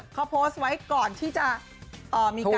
เขาโพสต์ไว้ก่อนที่จะมีการ